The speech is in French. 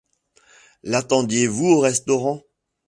L’attendiez-vous au restaurant ?